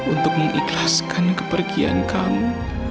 untuk mengikhlaskan kepergian kamu